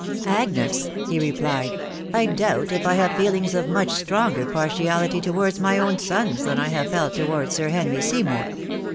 " Agnes 1" he replied, "I doubt if I have feelings of much stronger partiality towards my own sons, than I have felt to wards Sir Henry Seymour.